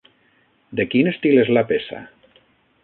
De quin estil és la peça?